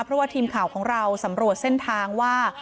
เพราะว่าทีมข่าวของเราสำรวจเส้นทางว่า